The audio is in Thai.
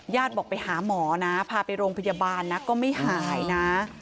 บอกไปหาหมอนะพาไปโรงพยาบาลนะก็ไม่หายนะ